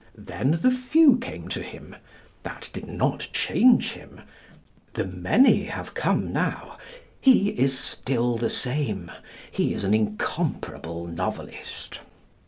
Then the few came to him. That did not change him. The many have come now. He is still the same. He is an incomparable novelist.